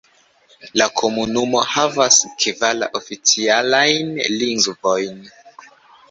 La komunumo havas kvar oficialajn lingvojn.